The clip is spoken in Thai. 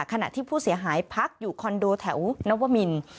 ขณะที่ผู้เสียหายพักอยู่คอนโดแถวนวมิน